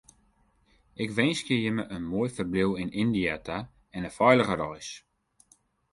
Ik winskje jimme in moai ferbliuw yn Yndia ta en in feilige reis.